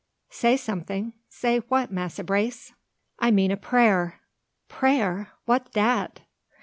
"Say something! say what, Massa Brace?" "I mean a prayer." "Prayer! wha's dat?"